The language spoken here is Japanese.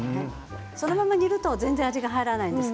そのまま煮ると味が入らないんです。